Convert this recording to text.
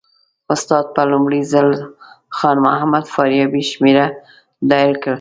استاد په لومړي ځل خان محمد فاریابي شمېره ډایل کړه.